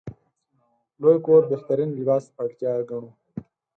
لوی کور بهترین لباس اړتیا ګڼو.